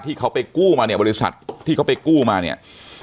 ที่เขาไปกู้มาเนี่ยบริษัทที่เขาไปกู้มาเนี่ย